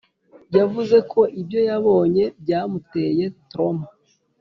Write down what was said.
yavuze ko ibyo yabonye byamuteye trauma